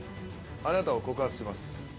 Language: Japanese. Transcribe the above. あなたを告発します。